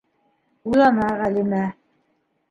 Уйлана Ғәлимә.